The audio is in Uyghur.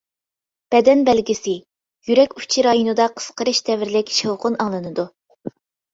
بەدەن بەلگىسى: يۈرەك ئۇچى رايونىدا قىسقىرىش دەۋرلىك شاۋقۇن ئاڭلىنىدۇ.